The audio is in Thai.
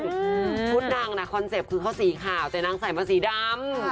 ชุดนางน่ะคอนเซ็ปต์คือเขาสีขาวแต่นางใส่มาสีดำ